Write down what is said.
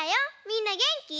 みんなげんき？